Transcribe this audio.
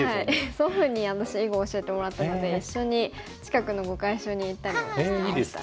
祖父に私囲碁教えてもらったので一緒に近くの碁会所に行ったりもしてましたね。